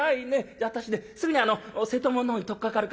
じゃあ私ねすぐにあの瀬戸物のほうに取っかかるから」。